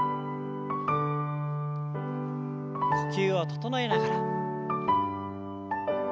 呼吸を整えながら。